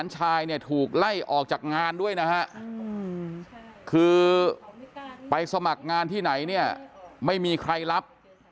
ถูกไล่ออกจากงานด้วยนะฮะคือไปสมัครงานที่ไหนเนี่ยไม่มีใครรับ